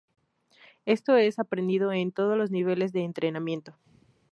Este es aprendido en todos los niveles de entrenamiento.